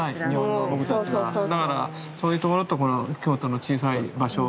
だからそういう所とこの京都の小さい場所